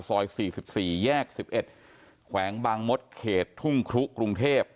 ซอยสี่สิบสี่แยกสิบเอ็ดแขวงบางมศเขตทุ่งครุกรุงเทพ